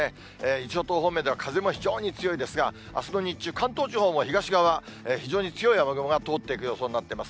伊豆諸島方面では風も非常に強いですが、あすの日中、関東地方も東側、非常に強い雨雲が通っていく予想になっています。